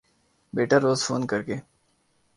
بیٹا روز فون کر کے